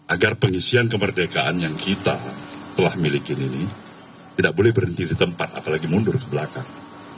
agar pengisian kemerdekaan yang kita telah milikin ini tidak boleh berhenti di tempat apalagi mundur ke belakang